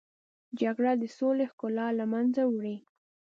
جګړه د سولې ښکلا له منځه وړي